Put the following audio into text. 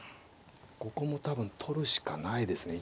ここも多分取るしかないですね。